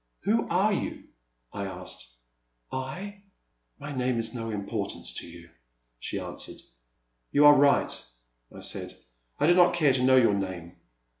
Who are you ?" I asked. I ? My name is of no importance to you," she answered. You are right," I said, I do not care to know your name.